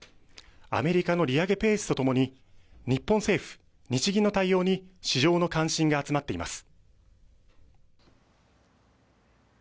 アメリカの利上げペースとともに日本政府、日銀の対応に市場の関心が集まっています。